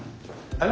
はい。